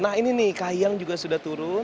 nah ini nih kahiyang juga sudah turun